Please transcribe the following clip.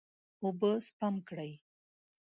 اوبه سپم کړئ.